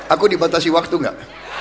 aku dibatasi waktu gak